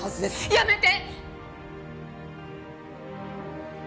やめて！！